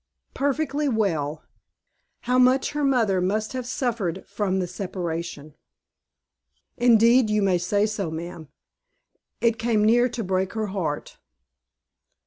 "Perfectly well. How much her mother must have suffered from the separation!" "Indeed, you may say so, ma'am. It came near to break her heart."